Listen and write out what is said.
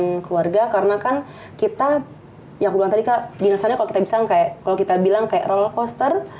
kurang dengan keluarga karena kan kita yang duluan tadi kak dinasanya kalau kita bilang kayak roller coaster